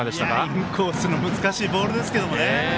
インコースの難しいボールですけどね